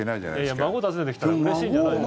いや、孫訪ねてきたらうれしいじゃないですか。